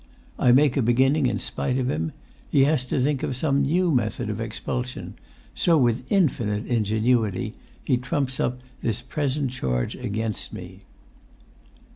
I make a beginning in spite of him; he[Pg 182] has to think of some new method of expulsion; so, with infinite ingenuity, he trumps up this present charge against me."